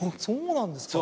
そう。